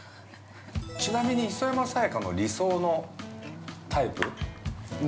◆ちなみに、磯山さやかの理想のタイプ。